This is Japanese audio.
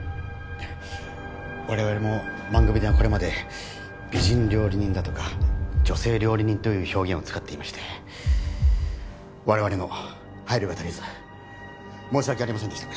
我々も番組ではこれまで「美人料理人」だとか「女性料理人」という表現を使っていまして我々の配慮が足りず申し訳ありませんでした。